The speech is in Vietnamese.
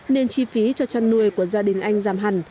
nên chi phí cho chăn nuôi của gia đình anh giảm hẳn